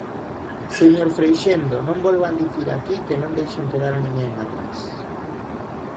Señor Freixendo, non volvan dicir aquí que non deixan quedar a ninguén atrás.